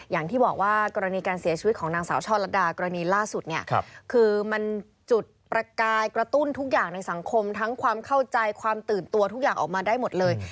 อย่างที่บอกว่ากรณีการเสียชีวิตของนางสาวช่อลัดดากรณีล่าสุดเนี่ยคือมันจุดประกายกระตุ้นทุกอย่างในสังคมทั้งความเข้าใจความตื่นตัวทุกอย่างออกมาได้หมดเลย